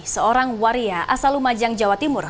seorang waria asalumajang jawa timur